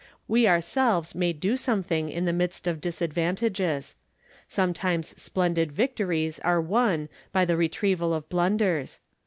We ourselves may do something in the midst of dis advantages. Sometimes splendid victories are won by the retrieval of blunders.